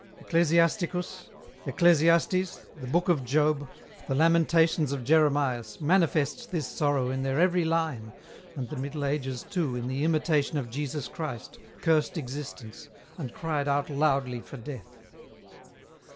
Ecclesias ticus, Ecclesiastes, the book of Job, the Lamentations of Jeremias manifest this sorrow in their every line, and the Middle Ages too in the " Imitation of Jesus Christ " cursed existence, and cried out loudly for death.